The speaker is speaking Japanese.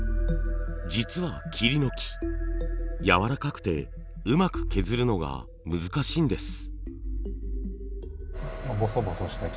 実は桐の木やわらかくてうまく削るのが難しいんです。